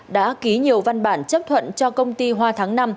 đã ký nhiều văn bản chấp thuận cho công ty hoa tháng năm